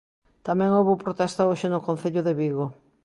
Tamén houbo protesta hoxe no concello de Vigo.